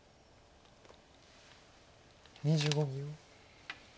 ２５秒。